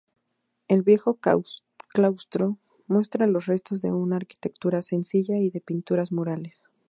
El viejo claustro muestra los restos de una arquitectura sencilla y de pinturas murales.